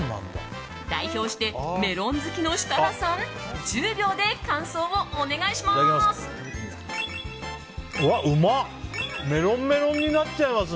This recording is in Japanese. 代表してメロン好きの設楽さん１０秒で感想をお願いします。